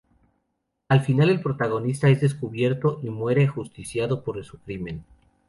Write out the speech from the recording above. Al final el protagonista es descubierto y muere ajusticiado por su crimen.